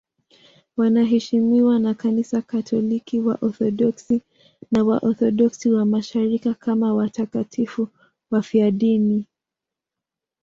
Wanaheshimiwa na Kanisa Katoliki, Waorthodoksi na Waorthodoksi wa Mashariki kama watakatifu wafiadini.